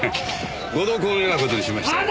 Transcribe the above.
ご同行を願う事にしましたよ。